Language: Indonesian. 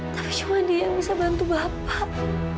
tapi cuma dia yang bisa bantu bapak